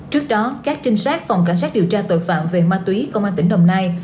trước đó các trinh sát phòng cảnh sát điều tra tội phạm về ma túy công an tỉnh đồng nai